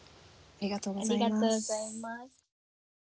ありがとうございます。